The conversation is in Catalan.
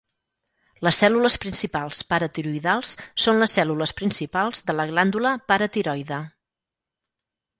Les cèl·lules principals paratiroïdals són les cèl·lules principals de la glàndula paratiroide.